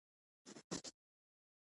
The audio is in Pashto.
مدیریت څه مانا لري؟